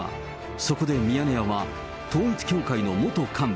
そこでミヤネ屋は、統一教会の元幹部、